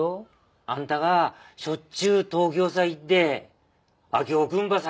あんたがしょっちゅう東京さ行って昭雄君ば捜してんの。